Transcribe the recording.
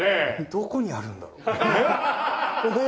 どこにあるんだろう？えっ！？えっ！？